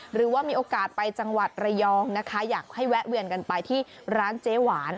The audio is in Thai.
หรือว่ามีโอกาสไปจังหวัดระยองนะคะอยากให้แวะเวียนกันไปที่ร้านเจ๊หวาน